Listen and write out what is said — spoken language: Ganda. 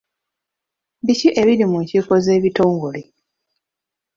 Biki ebiri mu nkiiko z'ebitongole?